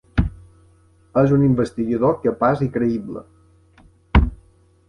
És un investigador capaç i creïble.